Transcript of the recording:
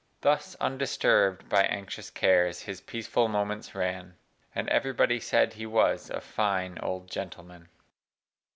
Thus undisturb'd by anxious cares. His peaceful moments ran; And everybody said he was A fine old gentleman.